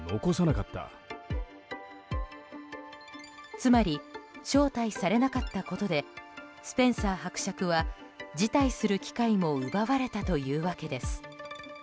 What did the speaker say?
つまり招待されなかったことでスペンサー伯爵は辞退する機会も奪われたというわけです。